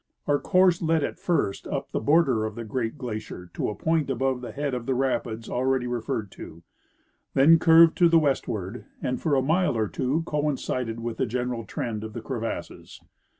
Our course led at first up the border of the great glacier to a point above the head of the rapids already referred to, then curved to the westward, and for a mile or tAVO coincided with the general trend of the crevasses.